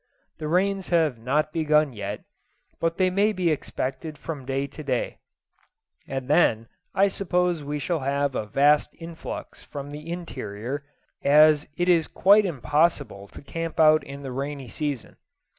The rains have not begun yet, but they may be expected from day to day, and then I suppose we shall have a vast influx from the interior, as it is quite impossible to camp out in the rainy season.